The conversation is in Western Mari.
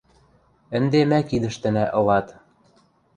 Ӹнде мӓ кидӹштӹнӓ ылат...